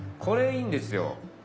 これいいんですよ。